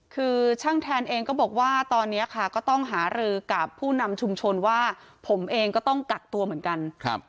คือช่างแทนเองก็บอกว่าตอนนี้ค่ะก็ต้องหารือกับผู้นำชุมชนว่าผมเองก็ต้องกักตัวเหมือนกัน